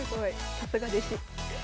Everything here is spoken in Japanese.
さすが弟子。